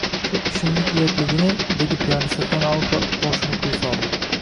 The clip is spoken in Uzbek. Shu ishimning uyatligini, — dedi piyonista tan olib va boshini quyi soldi.